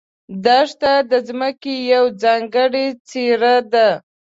دښته د ځمکې یوه ځانګړې څېره ده.